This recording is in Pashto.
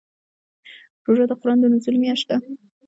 روژه د قرآن د نزول میاشت ده.